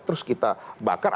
terus kita bakar